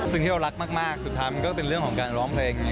สิ่งที่เรารักมากสุดท้ายมันก็เป็นเรื่องของการร้องเพลง